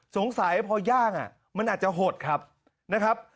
สงสัยพย่างมันอาจจะหดครับนะครับ